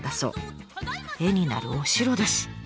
絵になるお城です。